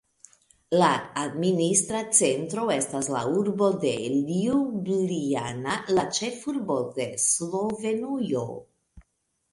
La administra centro estas la urbo de Ljubljana, la ĉefurbo de Slovenujo.